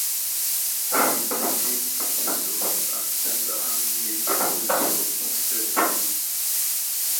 She disdained to do so, and sent her handmaid to do so instead.